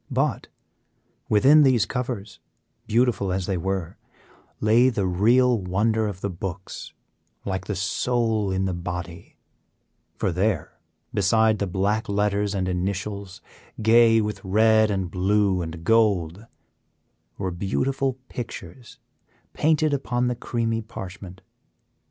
But within these covers, beautiful as they were, lay the real wonder of the books, like the soul in the body; for there, beside the black letters and initials, gay with red and blue and gold, were beautiful pictures painted upon the creamy parchment.